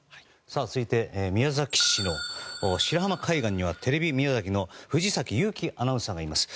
続いて宮崎市の白浜海岸にはテレビ宮崎の藤崎祐貴アナウンサーがいます。